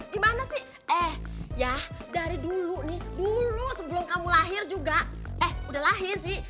gimana sih eh ya dari dulu nih dulu sebelum kamu lahir juga eh udah lahir sih